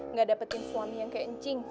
nggak dapetin suami yang kayak encing